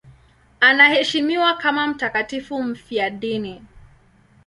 Anaheshimiwa kama mtakatifu mfiadini.